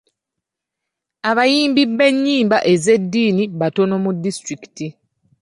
Abayimbi b'ennyimba z'eddiini batono mu disitulikiti.